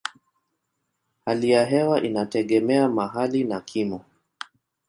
Hali ya hewa inategemea mahali na kimo.